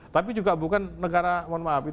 tapi juga bukan negara mohon maaf